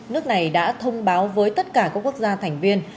nước này đã thông báo với tất cả các quốc gia thành viên